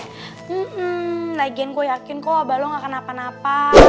hmm lagian gue yakin kok abah lo gak akan apa apa